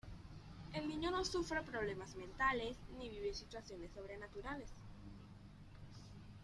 El niño no sufre problemas mentales, ni vive situaciones sobrenaturales.